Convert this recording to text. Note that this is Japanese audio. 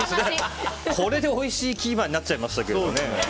これでおいしいキーマになっちゃいましたけどね。